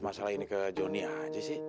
masalah ini ke joni aja sih